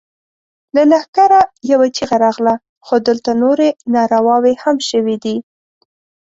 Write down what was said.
له لښکره يوه چيغه راغله! خو دلته نورې نارواوې هم شوې دي.